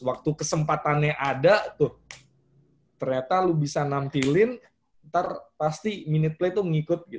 waktu kesempatannya ada tuh ternyata lu bisa nampilin ntar pasti minute play tuh mengikut